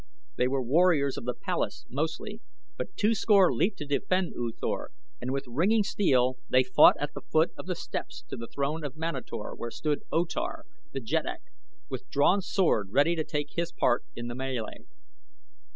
They were warriors of the palace, mostly; but two score leaped to defend U Thor, and with ringing steel they fought at the foot of the steps to the throne of Manator where stood O Tar, the jeddak, with drawn sword ready to take his part in the melee.